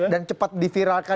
dan cepat diviralkan